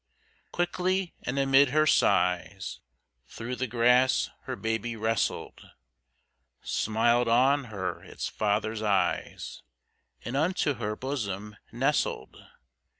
Quickly, and amid her sighs, Through the grass her baby wrestled, Smiled on her its father's eyes, And unto her bosom nestled.